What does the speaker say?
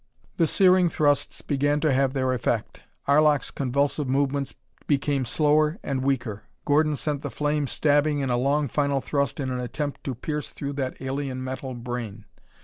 The searing thrusts began to have their effect. Arlok's convulsive movements became slower and weaker. Gordon sent the flame stabbing in a long final thrust in an attempt to pierce through to that alien metal brain.